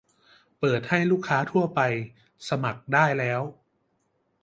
เปิดให้ลูกค้าทั่วไปสมัครได้แล้ว